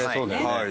はい。